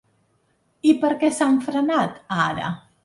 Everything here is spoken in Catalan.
I per què s’han frenat ara?